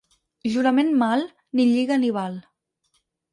Jurament mal, ni lliga ni val.